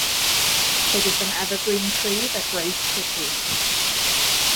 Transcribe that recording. It is an evergreen tree that grows quickly.